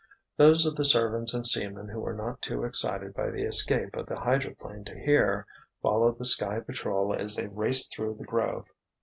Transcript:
Those of the servants and seamen who were not too excited by the escape of the hydroplane to hear, followed the Sky Patrol as they raced through the grove.